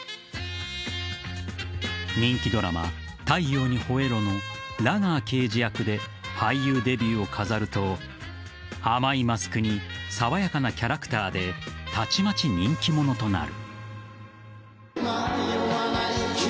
人気ドラマ「太陽にほえろ！」のラガー刑事役で俳優デビューを飾ると甘いマスクに爽やかなキャラクターでたちまち人気者となる。